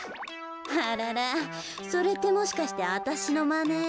あららそれってもしかしてわたしのまね？